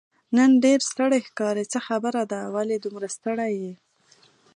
نن ډېر ستړی ښکارې، څه خبره ده، ولې دومره ستړی یې؟